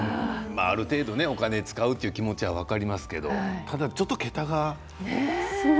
ある程度お金を使うという気持ちは分かりますけどただちょっと桁が。